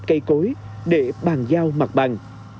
cây cối để bàn giao mặt bằng